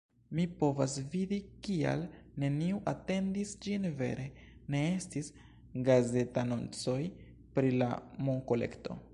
Mi povas vidi kial neniu atentis ĝin vere, ne estis gazetanoncoj pri la monkolekto